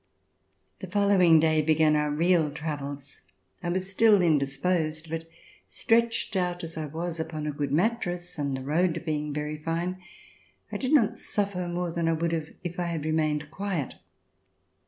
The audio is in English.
The following day began our real travels. I was still indisposed, but, stretched out as I was upon a good mattress, and the road being very fine, I did not sufi^er more than I would have if I had remained quiet.